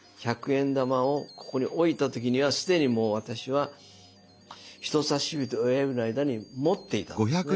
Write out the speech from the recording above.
１００円玉をここに置いた時にはすでにもう私は人差し指と親指の間に持っていたんですね。